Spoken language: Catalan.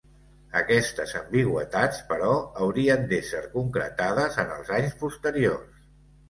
Aquestes ambigüitats, però, hauran d’ésser concretades en els anys posteriors.